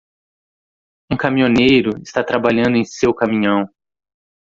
Um caminhoneiro está trabalhando em seu caminhão.